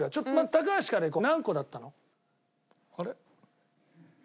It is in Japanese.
高橋からいこう。